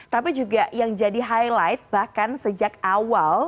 tapi juga yang jadi highlight bahkan sejak awal